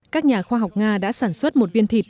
các nhà khoa học nga đã sản xuất một viên thịt